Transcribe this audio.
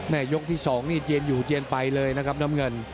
ยกที่๒นี่เจียนอยู่เจียนไปเลยนะครับน้ำเงิน